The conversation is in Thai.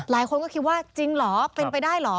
หลายคนก็คิดว่าจริงเหรอเป็นไปได้เหรอ